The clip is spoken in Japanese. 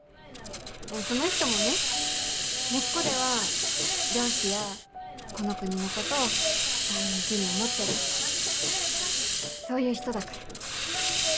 その人もね根っこでは漁師やこの国のことを大事に思ってるそういう人だから。